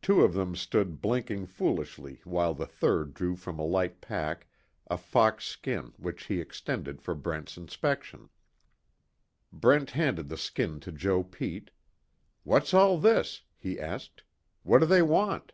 Two of them stood blinking foolishly while the third drew from a light pack a fox skin which he extended for Brent's inspection. Brent handed the skin to Joe Pete: "What's all this?" he asked, "What do they want?"